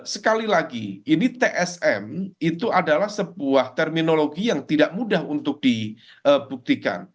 sekali lagi ini tsm itu adalah sebuah terminologi yang tidak mudah untuk dibuktikan